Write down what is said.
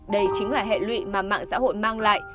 đây chính là hệ lụy mà mạng xã hội mang lại